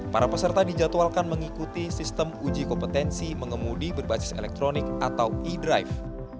para peserta dijadwalkan mengikuti sistem uji kompetensi mengemudi berbasis elektronik atau e drive